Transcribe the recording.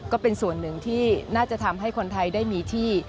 ก็เป็นส่วนหนึ่งที่น่าจะทำให้คนไทยได้มีที่